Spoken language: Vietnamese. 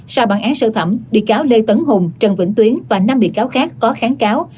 sau bản án sơ thẩm bị cáo lê tấn hùng trần vĩnh tuyến và năm bị cáo khác có kháng cáo